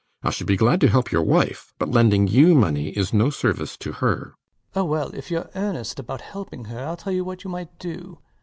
I should be glad to help your wife; but lending you money is no service to her. LOUIS. Oh well, if youre in earnest about helping her, I'll tell you what you might do.